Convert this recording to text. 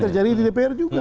terjadi di mpr juga